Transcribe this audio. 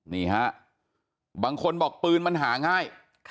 นี่ฮะบางคนบอกปืนมันหาง่าย